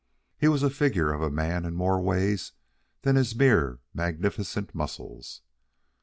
He was a figure of a man in more ways than his mere magnificent muscles.